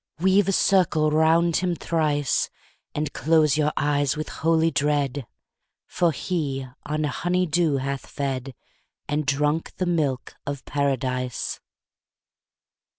50 Weave a circle round him thrice, And close your eyes with holy dread, For he on honey dew hath fed, And drunk the milk of Paradise.